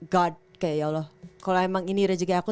god kayak ya allah kalau emang ini rezeki aku